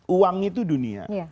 uang itu dunia